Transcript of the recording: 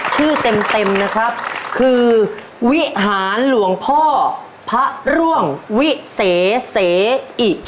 ชื่อเต็มนะครับคือวิหารหลวงพ่อพระร่วงวิเสอิ